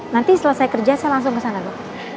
nanti setelah saya kerja saya langsung ke sana bu